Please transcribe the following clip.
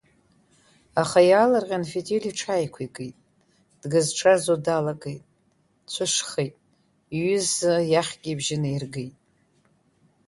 Аха иаалырҟьан Фитиль иҽааиқәикит, дгаз-ҽазуа далагеит, дцәышхеит, иҩыза иахьгьы ибжьы наиргеит!